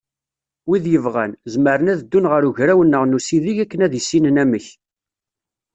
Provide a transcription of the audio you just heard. Wid yebɣan, zemren ad d-ddun ɣer ugraw-nneɣ n usideg akken ad issinen amek.